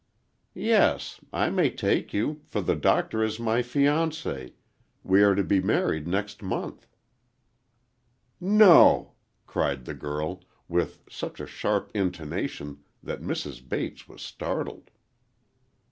"Yes; I may take you, for the Doctor is my fiance,—we are to be married next month." "No!" cried the girl, with such a sharp intonation that Mrs. Bates was startled.